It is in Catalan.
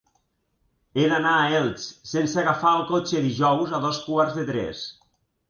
He d'anar a Elx sense agafar el cotxe dijous a dos quarts de tres.